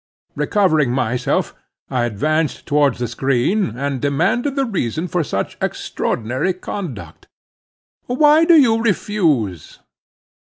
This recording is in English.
Recovering myself, I advanced towards the screen, and demanded the reason for such extraordinary conduct. "Why do you refuse?"